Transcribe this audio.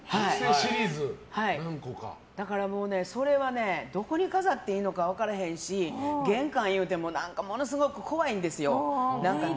だから、それはねどこに飾っていいのか分からへんし、玄関いうても何かものすごく怖いんですよ。